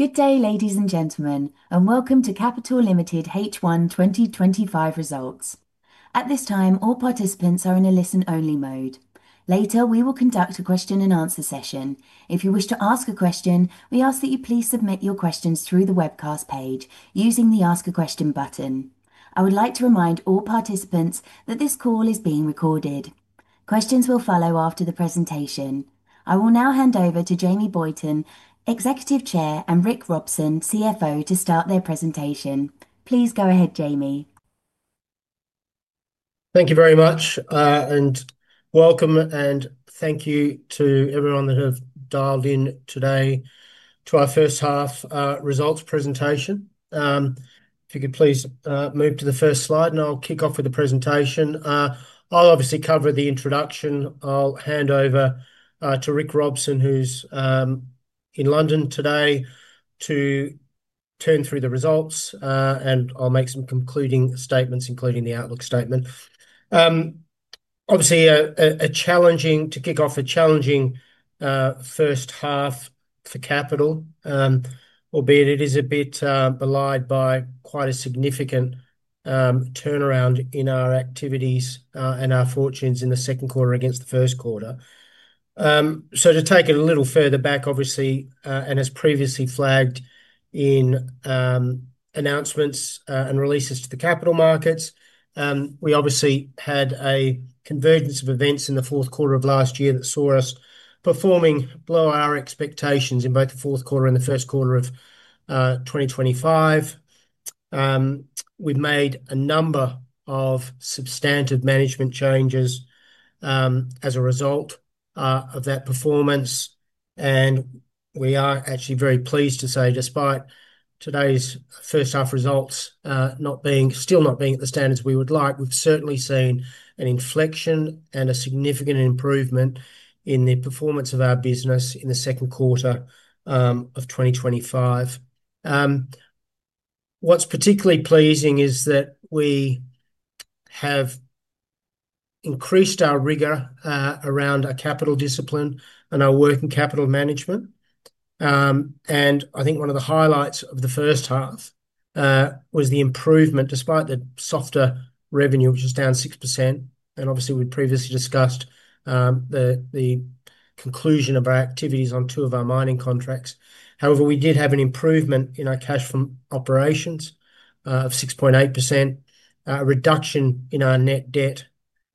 Good day, ladies and gentlemen, and welcome to Capital Limited H1 2025 Results. At this time, all participants are in a listen-only mode. Later, we will conduct a question-and-answer session. If you wish to ask a question, we ask that you please submit your questions through the webcast page using the ask a question button. I would like to remind all participants that this call is being recorded. Questions will follow after the presentation. I will now hand over to Jamie Boyton, Executive Chair, and Rick Robson, CFO, to start their presentation. Please go ahead, Jamie. Thank you very much, and welcome, and thank you to everyone that has dialed in today to our first half results presentation. If you could please move to the first slide and I'll kick off with the presentation. I'll obviously cover the introduction. I'll hand over to Rick Robson, who's in London today, to turn through the results, and I'll make some concluding statements, including the outlook statement. Obviously, a challenging first half for Capital, albeit it is a bit belied by quite a significant turnaround in our activities and our fortunes in the second quarter against the first quarter. To take it a little further back, obviously, and as previously flagged in announcements and releases to the capital markets, we had a convergence of events in the fourth quarter of last year that saw us performing below our expectations in both the fourth quarter and the first quarter of 2025. We've made a number of substantive management changes as a result of that performance. We are actually very pleased to say, despite today's first half results still not being at the standards we would like, we've certainly seen an inflection and a significant improvement in the performance of our business in the second quarter of 2025. What's particularly pleasing is that we have increased our rigor around our capital discipline and our work in capital management. I think one of the highlights of the first half was the improvement despite the softer revenue, which was down 6%. We previously discussed the conclusion of our activities on two of our mining contracts. However, we did have an improvement in our cash from operations of 6.8%, a reduction in our net debt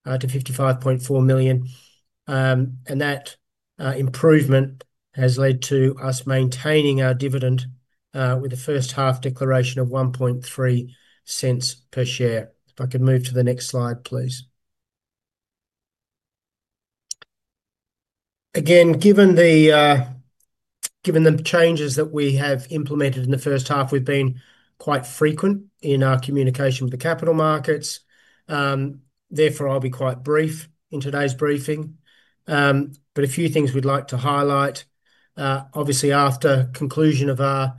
to $55.4 million. That improvement has led to us maintaining our dividend, with a first half declaration of $0.013 per share. If I could move to the next slide, please. Given the changes that we have implemented in the first half, we've been quite frequent in our communication with the capital markets. Therefore, I'll be quite brief in today's briefing. A few things we'd like to highlight. After the conclusion of our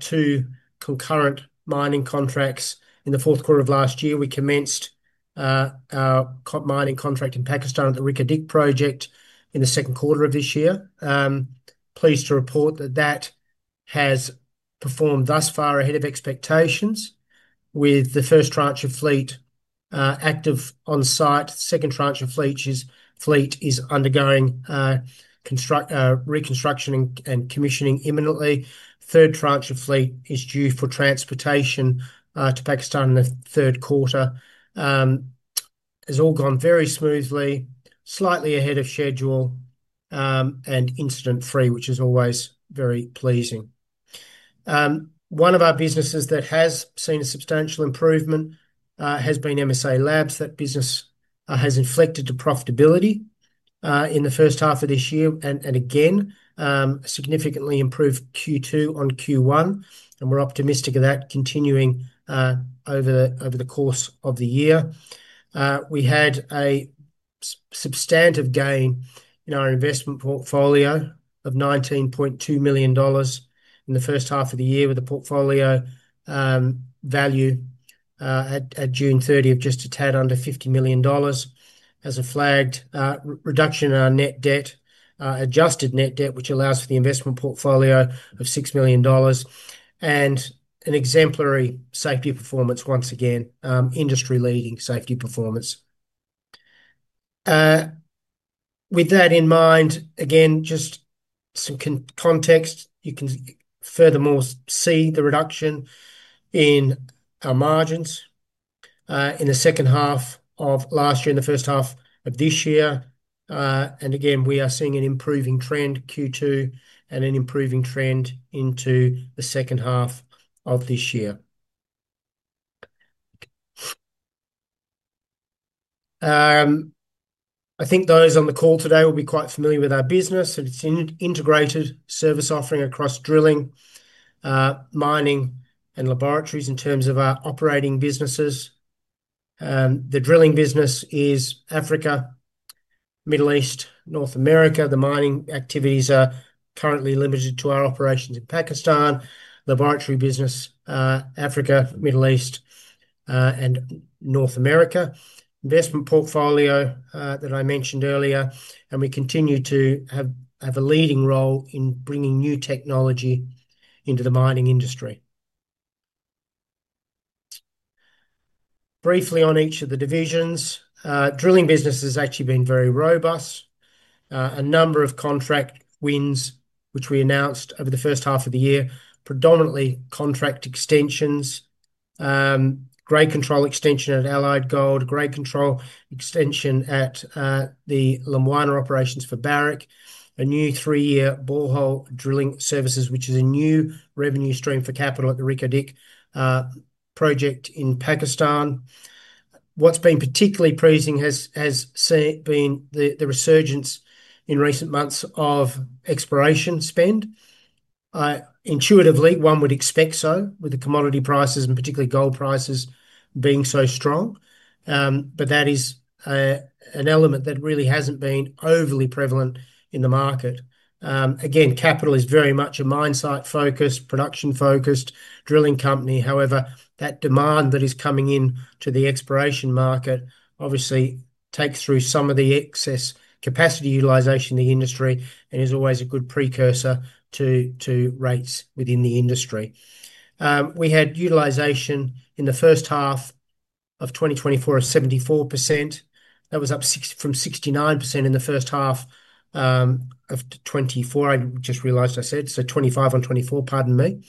two concurrent mining contracts in the fourth quarter of last year, we commenced our mining contract in Pakistan at the Reko Diq project in the second quarter of this year. Pleased to report that that has performed thus far ahead of expectations, with the first tranche of fleet active on site. The second tranche of fleet is undergoing reconstruction and commissioning imminently. The third tranche of fleet is due for transportation to Pakistan in the third quarter. It's all gone very smoothly, slightly ahead of schedule, and incident-free, which is always very pleasing. One of our businesses that has seen a substantial improvement has been MSALABS. That business has inflected to profitability in the first half of this year and, again, significantly improved Q2 on Q1. We're optimistic of that continuing over the course of the year. We had a substantive gain in our investment portfolio of $19.2 million in the first half of the year, with the portfolio value at June 30th just a tad under $50 million. As I flagged, reduction in our net debt, adjusted net debt, which allows for the investment portfolio of $6 million, and an exemplary safety performance once again, industry-leading safety performance. With that in mind, again, just some context, you can furthermore see the reduction in our margins in the second half of last year and the first half of this year. Again, we are seeing an improving trend Q2 and an improving trend into the second half of this year. I think those on the call today will be quite familiar with our business. It's an integrated service offering across drilling, mining, and laboratories in terms of our operating businesses. The drilling business is Africa, Middle East, North America. The mining activities are currently limited to our operations in Pakistan. The laboratory business, Africa, Middle East, and North America. Investment portfolio, that I mentioned earlier, and we continue to have a leading role in bringing new technology into the mining industry. Briefly on each of the divisions, drilling business has actually been very robust. A number of contract wins, which we announced over the first half of the year, predominantly contract extensions, grade control extension at Allied Gold, grade control extension at the Lumwana operations for Barrick, a new three-year borehole drilling services, which is a new revenue stream for Capital at the Reko Diq project in Pakistan. What's been particularly pleasing has been the resurgence in recent months of exploration spend. Intuitively, one would expect so with the commodity prices and particularly gold prices being so strong. That is an element that really hasn't been overly prevalent in the market. Again, Capital is very much a mine site focused, production-focused drilling company. However, that demand that is coming into the exploration market obviously takes through some of the excess capacity utilization in the industry and is always a good precursor to rates within the industry. We had utilization in the first half of 2024 of 74%. That was up from 69% in the first half of 2024. I just realized I said 2025 on 2024, pardon me.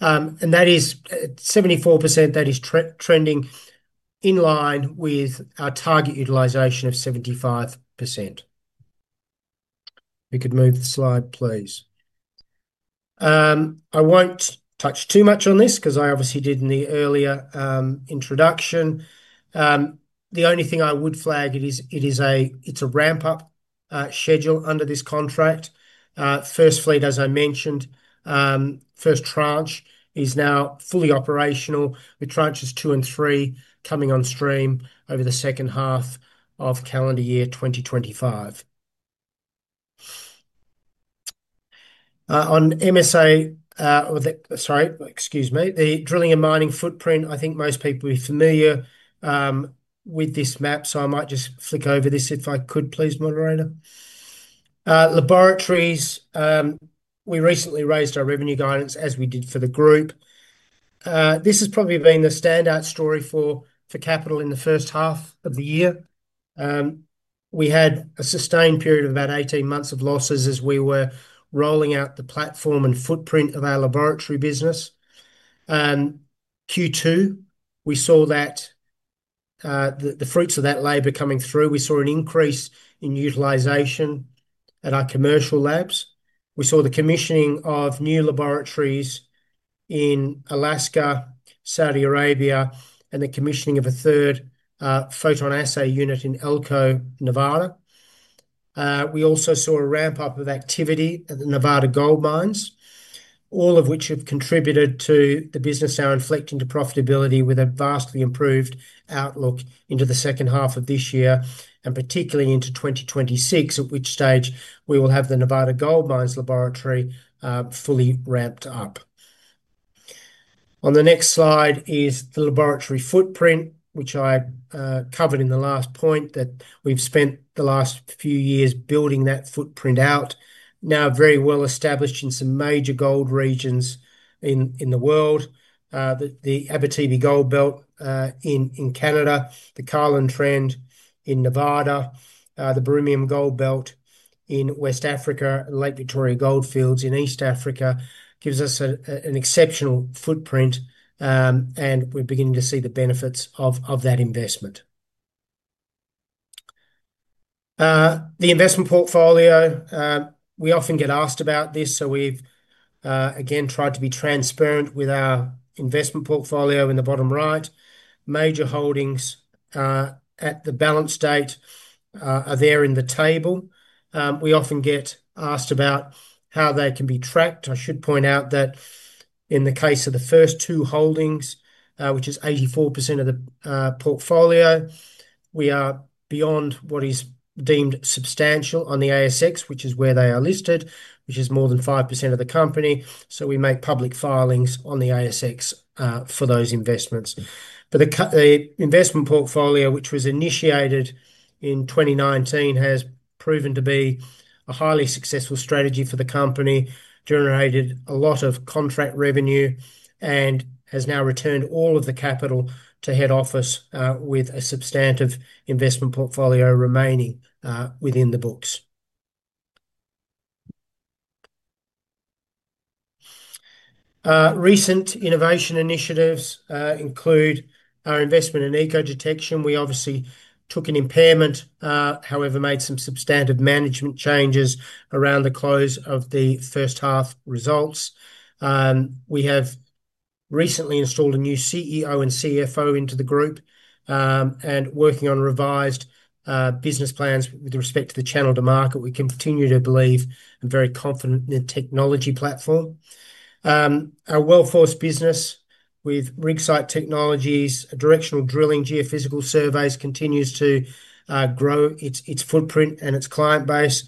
That is 74%. That is trending in line with our target utilization of 75%. If you could move the slide, please. I won't touch too much on this because I obviously did in the earlier introduction. The only thing I would flag, it is a ramp-up schedule under this contract. First fleet, as I mentioned, first tranche is now fully operational with tranches two and three coming on stream over the second half of calendar year 2025. On MSA, or the, sorry, excuse me, the drilling and mining footprint, I think most people are familiar with this map, so I might just flick over this if I could, please, moderator. Laboratories, we recently raised our revenue guidance as we did for the group. This has probably been the standout story for Capital in the first half of the year. We had a sustained period of about 18 months of losses as we were rolling out the platform and footprint of our laboratory business. Q2, we saw the fruits of that labor coming through. We saw an increase in utilization at our commercial labs. We saw the commissioning of new laboratories in Alaska, Saudi Arabia, and the commissioning of a third photon assay unit in Elko, Nevada. We also saw a ramp-up of activity at the Nevada Gold Mines, all of which have contributed to the business now inflecting to profitability with a vastly improved outlook into the second half of this year and particularly into 2026, at which stage we will have the Nevada Gold Mines laboratory fully ramped up. On the next slide is the laboratory footprint, which I covered in the last point that we've spent the last few years building that footprint out. Now very well-established in some major gold regions in the world, the Abitibi Gold Belt in Canada, the Carlin Trend in Nevada, the Birimian Gold Belt in West Africa, and Lake Victoria Goldfields in East Africa gives us an exceptional footprint, and we're beginning to see the benefits of that investment. The investment portfolio, we often get asked about this, so we've again tried to be transparent with our investment portfolio in the bottom right. Major holdings at the balance date are there in the table. We often get asked about how they can be tracked. I should point out that in the case of the first two holdings, which is 84% of the portfolio, we are beyond what is deemed substantial on the ASX, which is where they are listed, which is more than 5% of the company. We make public filings on the ASX for those investments. The investment portfolio, which was initiated in 2019, has proven to be a highly successful strategy for the company, generated a lot of contract revenue, and has now returned all of the capital to head office, with a substantive investment portfolio remaining within the books. Recent innovation initiatives include our investment in eco-detection. We obviously took an impairment, however, made some substantive management changes around the close of the first half results. We have recently installed a new CEO and CFO into the group, and working on revised business plans with respect to the channel to market. We continue to believe and are very confident in the technology platform. Our Well Force business with rig site technologies, a directional drilling geophysical surveys, continues to grow its footprint and its client base.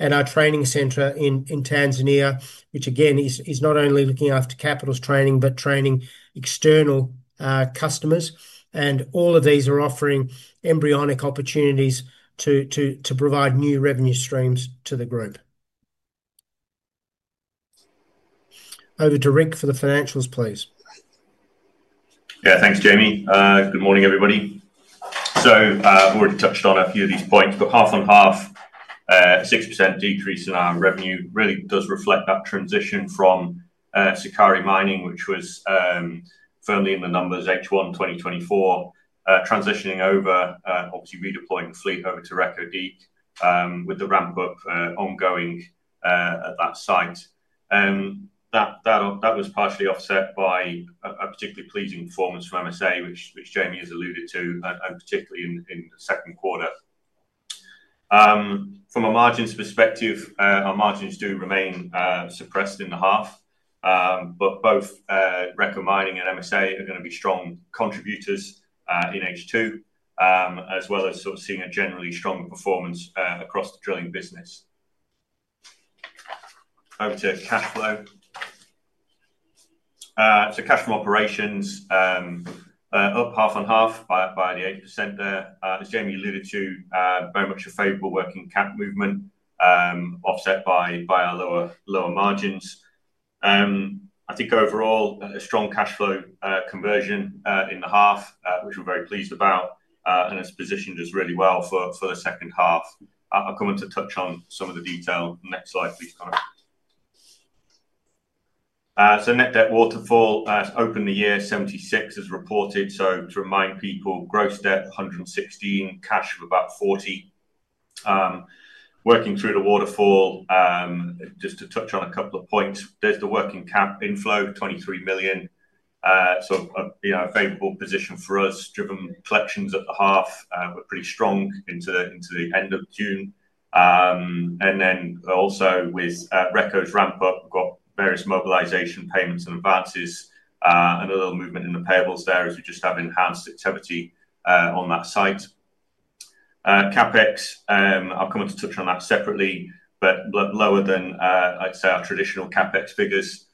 Our training center in Tanzania, which again is not only looking after Capital's training, but training external customers. All of these are offering embryonic opportunities to provide new revenue streams to the group. Over to Rick for the financials, please. Yeah, thanks, Jamie. Good morning, everybody. Already touched on a few of these points, but half on half, a 6% decrease in our revenue really does reflect that transition from Sukari mining, which was firmly in the numbers H1 2024, transitioning over, obviously redeploying the fleet over to Reko Diq, with the ramp-up ongoing at that site. That was partially offset by a particularly pleasing performance from MSA, which Jamie has alluded to, and particularly in the second quarter. From a margins perspective, our margins do remain suppressed in the half, but both Reko mining and MSA are going to be strong contributors in H2, as well as sort of seeing a generally strong performance across the drilling business. Over to cash flow. For cash from operations, up half on half by 8% there. As Jamie alluded to, very much a favorable working cap movement, offset by our lower margins. I think overall, a strong cash flow conversion in the half, which we're very pleased about, and has positioned us really well for the second half. I'll come in to touch on some of the detail. Next slide, please, Conor. So net debt waterfall has opened the year, $76 million as reported. To remind people, gross debt $116 million, cash of about $40 million. Working through the waterfall, just to touch on a couple of points, there's the working cap inflow, the $23 million, so a favorable position for us, driven collections at the half, but pretty strong into the end of June. Also with Reko's ramp-up, we've got various mobilization payments and advances, and a little movement in the payables there as we just have enhanced activity on that site. CapEx, I'll come in to touch on that separately, but lower than, I'd say, our traditional CapEx figures,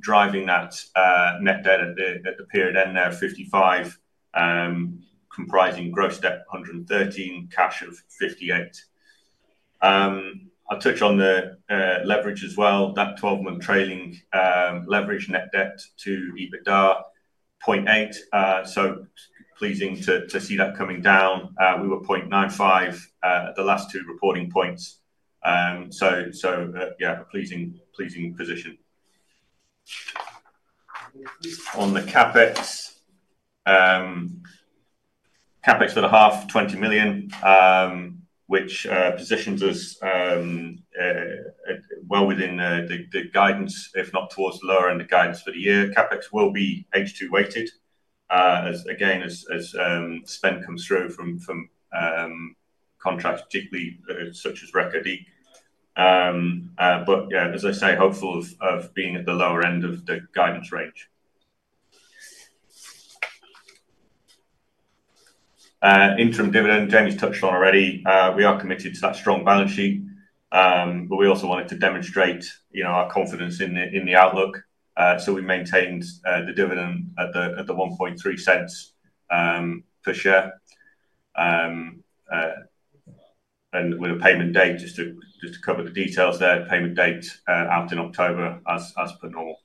driving that net debt at the period end there of $55 million, comprising gross debt $113 million, cash of $58 million. I'll touch on the leverage as well. That 12-month trailing leverage net debt to EBITDA 0.8x, so pleasing to see that coming down. We were 0.95x at the last two reporting points, so, yeah, a pleasing position. On the CapEx, CapEx for the half, $20 million, which positions us well within the guidance, if not towards the lower end of guidance for the year. CapEx will be H2 weighted, as spend comes through from contracts, particularly such as Reko Diq. As I say, hopeful of being at the lower end of the guidance range. Interim dividend, Jamie's touched on already. We are committed to that strong balance sheet, but we also wanted to demonstrate, you know, our confidence in the outlook. We maintained the dividend at $0.013 per share, and with a payment date, just to cover the details there, payment date out in October as per normal.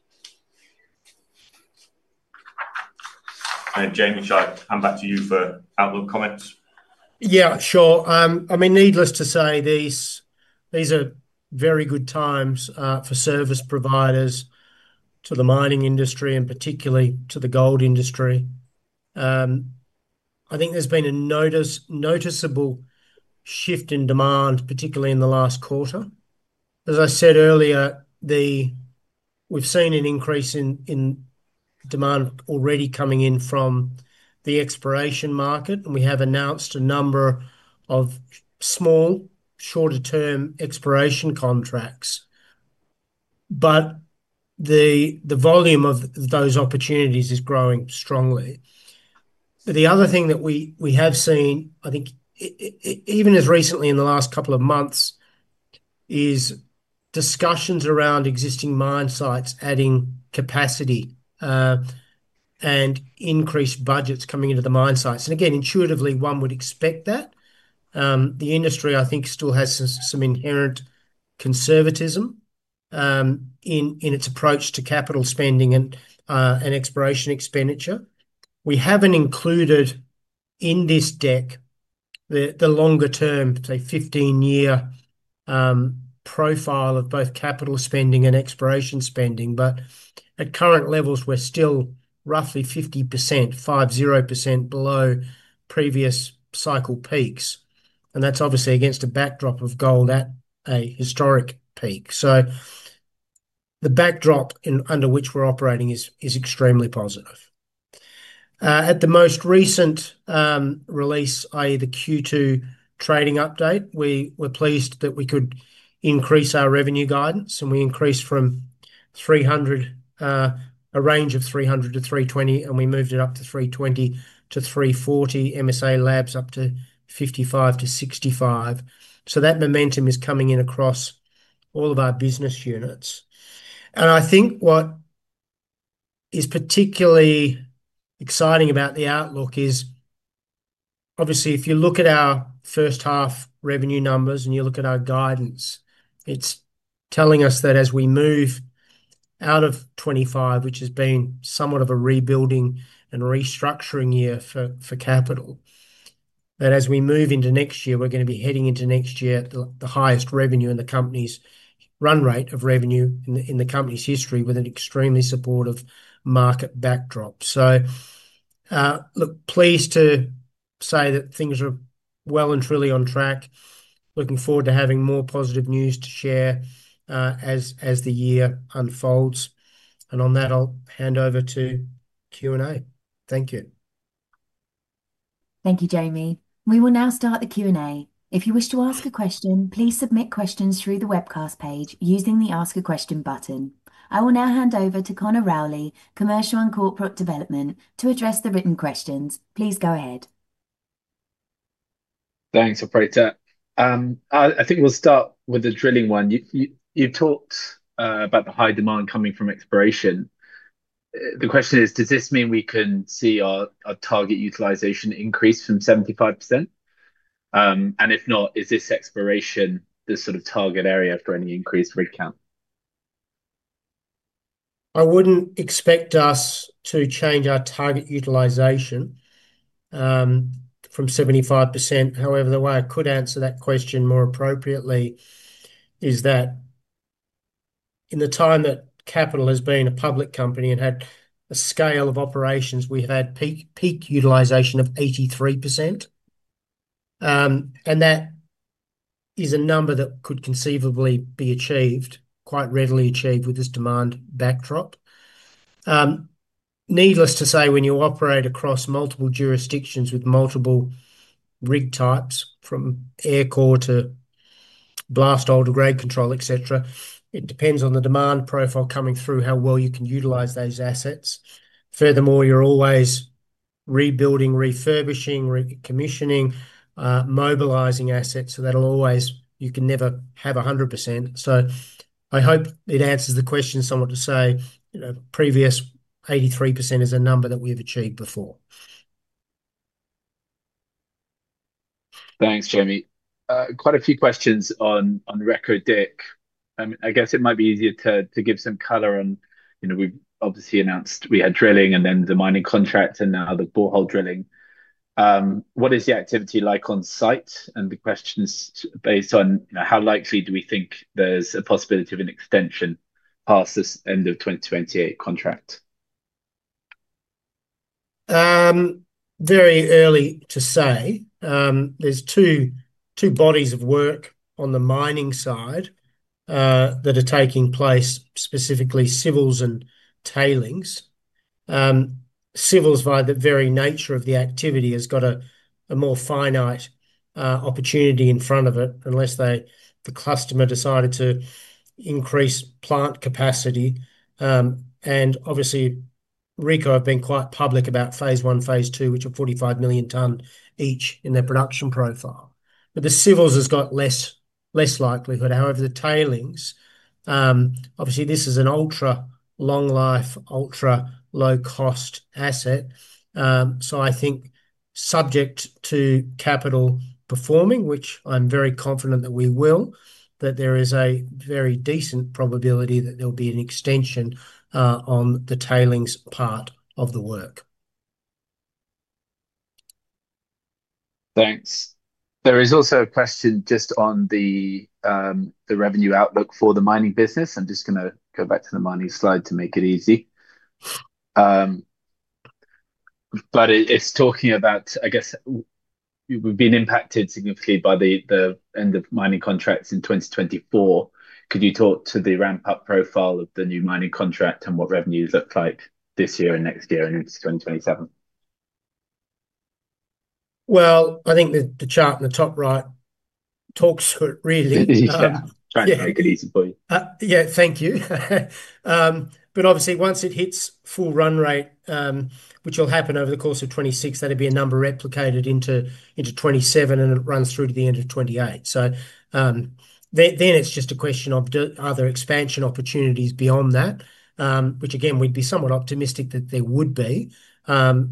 Jamie, should I hand back to you for outlook comments? Yeah, sure. Needless to say, these are very good times for service providers to the mining industry and particularly to the gold industry. I think there's been a noticeable shift in demand, particularly in the last quarter. As I said earlier, we've seen an increase in demand already coming in from the exploration market, and we have announced a number of small, shorter-term exploration contracts. The volume of those opportunities is growing strongly. The other thing that we have seen, I think, even as recently in the last couple of months, is discussions around existing mine sites adding capacity, and increased budgets coming into the mine sites. Intuitively, one would expect that. The industry, I think, still has some inherent conservatism in its approach to capital spending and exploration expenditure. We haven't included in this deck the longer-term, say, 15-year, profile of both capital spending and exploration spending, but at current levels, we're still roughly 50% below previous cycle peaks. That's obviously against a backdrop of gold at a historic peak. The backdrop under which we're operating is extremely positive. At the most recent release, i.e., the Q2 trading update, we were pleased that we could increase our revenue guidance, and we increased from a range of $300 million-$320 million, and we moved it up to $320 million-$340 million, MSALABS up to $55 million-$65 million. That momentum is coming in across all of our business units. I think what is particularly exciting about the outlook is, obviously, if you look at our first half revenue numbers and you look at our guidance, it's telling us that as we move out of 2025, which has been somewhat of a rebuilding and restructuring year for Capital, as we move into next year, we're going to be heading into next year at the highest revenue in the company's run rate of revenue in the company's history with an extremely supportive market backdrop. Pleased to say that things are well and truly on track. Looking forward to having more positive news to share as the year unfolds. On that, I'll hand over to Q&A. Thank you. Thank you, Jamie. We will now start the Q&A. If you wish to ask a question, please submit questions through the webcast page using the ask a question button. I will now hand over to Conor Rowley, Commercial and Corporate Development, to address the written questions. Please go ahead. Thanks, operator. I think we'll start with the drilling one. You've talked about the high demand coming from exploration. The question is, does this mean we can see our target utilization increase from 75%? If not, is this exploration the sort of target area for any increased rate cap? I wouldn't expect us to change our target utilization from 75%. However, the way I could answer that question more appropriately is that in the time that Capital has been a public company and had a scale of operations, we had peak utilization of 83%. That is a number that could conceivably be achieved, quite readily achieved with this demand backdrop. Needless to say, when you operate across multiple jurisdictions with multiple rig types, from aircore to blast holder, grade control, etc., it depends on the demand profile coming through, how well you can utilize those assets. Furthermore, you're always rebuilding, refurbishing, commissioning, mobilizing assets. That'll always, you can never have 100%. I hope it answers the question somewhat to say, you know, previous 83% is a number that we've achieved before. Thanks, Jamie. Quite a few questions on Reko Diq. I mean, I guess it might be easier to give some color on, you know, we've obviously announced we had drilling and then the mining contracts and now the borehole drilling. What is the activity like on site? The question is based on, you know, how likely do we think there's a possibility of an extension past this end of 2028 contract? Very early to say. There are two bodies of work on the mining side that are taking place, specifically civils and tailings. Civils, by the very nature of the activity, has got a more finite opportunity in front of it unless the customer decided to increase plant capacity. Reko has been quite public about phase I, phase II, which are 45 million ton each in their production profile. The civils has got less likelihood. However, the tailings, this is an ultra-long life, ultra-low-cost asset. I think subject to Capital performing, which I'm very confident that we will, there is a very decent probability that there will be an extension on the tailings part of the work. Thanks. There is also a question just on the revenue outlook for the mining business. I'm just going to go back to the mining slide to make it easy. It's talking about, I guess, we've been impacted significantly by the end of mining contracts in 2024. Could you talk to the ramp-up profile of the new mining contract and what revenues look like this year and next year and into 2027? I think the chart in the top right talks to it really. It's easy. Yeah. Make it easy for you. Yeah, thank you. Obviously, once it hits full run rate, which will happen over the course of 2026, that'll be a number replicated into 2027, and it runs through to the end of 2028. It's just a question of are there expansion opportunities beyond that, which again, we'd be somewhat optimistic that there would be.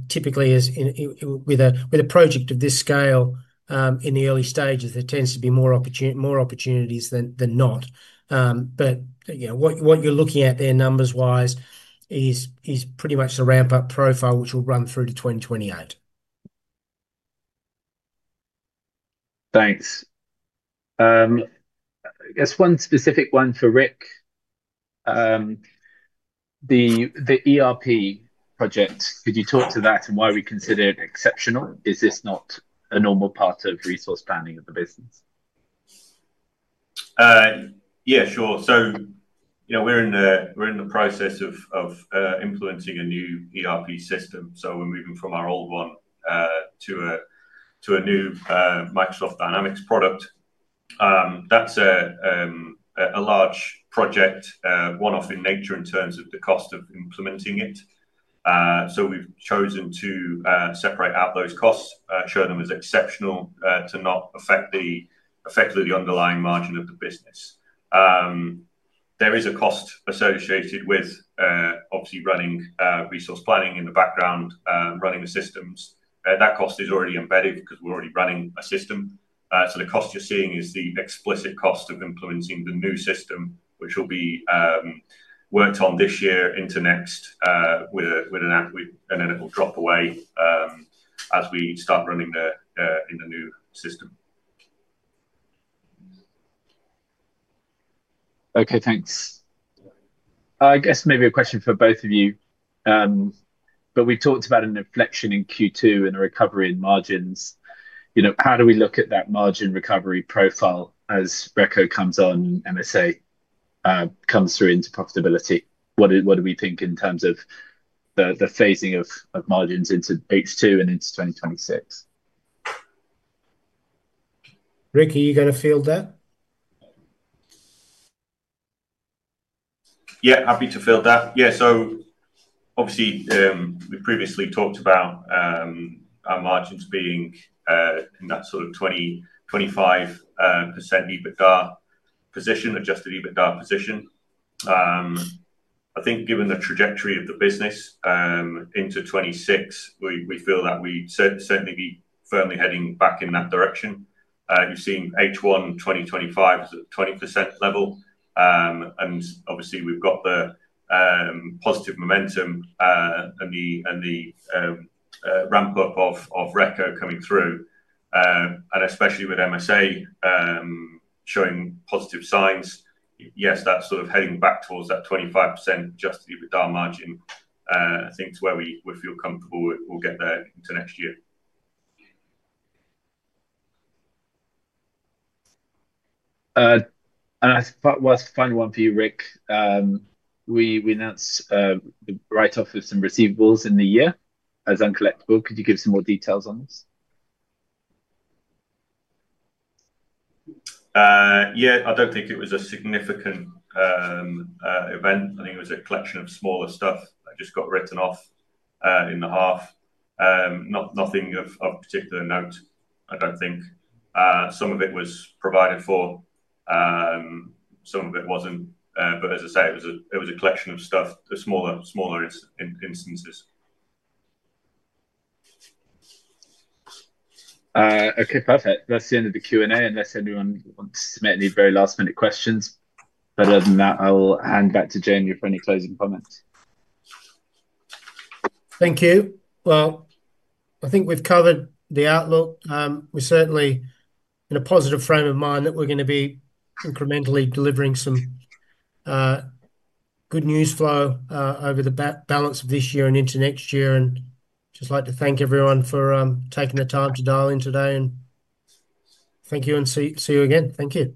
Typically, with a project of this scale in the early stages, there tends to be more opportunities than not. What you're looking at there numbers-wise is pretty much the ramp-up profile, which will run through to 2028. Thanks. I guess one specific one for Rick. The ERP project, could you talk to that and why we consider it exceptional? Is this not a normal part of resource planning of the business? Yeah, sure. We're in the process of implementing a new ERP system. We're moving from our old one to a new Microsoft Dynamics product. That's a large project, one-off in nature in terms of the cost of implementing it. We've chosen to separate out those costs, treat them as exceptional to not affect effectively the underlying margin of the business. There is a cost associated with obviously running resource planning in the background, running the systems. That cost is already embedded because we're already running a system. The cost you're seeing is the explicit cost of implementing the new system, which will be worked on this year into next, and then it will drop away as we start running the new system. Okay, thanks. I guess maybe a question for both of you. We talked about an inflection in Q2 and a recovery in margins. How do we look at that margin recovery profile as Reko comes on and MSA comes through into profitability? What do we think in terms of the phasing of margins into H2 and into 2026? Rick, are you going to field that? Happy to field that. Obviously, we previously talked about our margins being in that sort of 25% EBITDA position, adjusted EBITDA position. I think given the trajectory of the business into 2026, we feel that we'd certainly be firmly heading back in that direction. You've seen H1 2025 is at a 20% level. Obviously, we've got the positive momentum and the ramp-up of Reko coming through, especially with MSA showing positive signs. Yes, that's sort of heading back towards that 25% adjusted EBITDA margin. I think it's where we feel comfortable we'll get there into next year. I'll ask what's the final one for you, Rick. We announced the write-off of some receivables in the year as uncollectible. Could you give some more details on this? Yeah, I don't think it was a significant event. I think it was a collection of smaller stuff that just got written off in the half. Nothing of particular note, I don't think. Some of it was provided for, some of it wasn't. As I say, it was a collection of stuff, the smaller instances. Okay, perfect. That's the end of the Q&A unless anyone wants to submit any very last-minute questions. Other than that, I'll hand back to Jamie for any closing comments. Thank you. I think we've covered the outlook. We certainly, in a positive frame of mind, are going to be incrementally delivering some good news flow over the balance of this year and into next year. I'd just like to thank everyone for taking the time to dial in today. Thank you and see you again. Thank you.